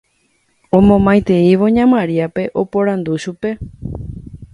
omomaiteívo ña Mariápe, oporandu chupe